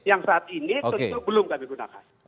yang saat ini tentu belum kami gunakan